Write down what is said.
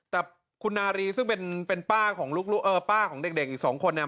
แต่คุณนารีซึ่งเป็นป้าของลูกเออป้าของเด็กอีกสองคนเนี่ย